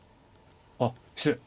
あっ失礼。